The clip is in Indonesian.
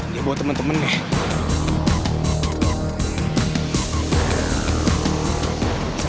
dia bawa temen temennya